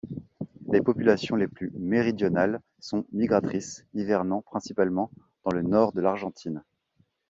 Les populations les plus méridionales sont migratrices, hivernant principalement dans le nord de l'Argentine.